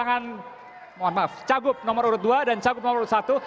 baik terima kasih pasangan cagup nomor urut dua dan cagup nomor urut satu